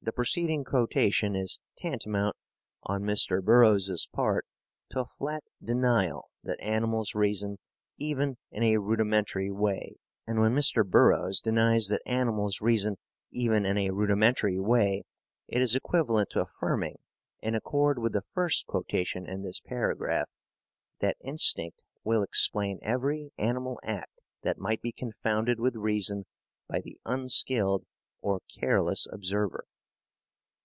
The preceding quotation is tantamount, on Mr. Burroughs's part, to a flat denial that animals reason even in a rudimentary way. And when Mr. Burrough denies that animals reason even in a rudimentary way, it is equivalent to affirming, in accord with the first quotation in this paragraph, that instinct will explain every animal act that might be confounded with reason by the unskilled or careless observer.